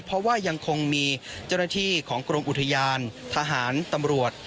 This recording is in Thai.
เพราะว่ายังคงมีเจ้าหน้าที่ของกรมอุทยานทหารตำรวจ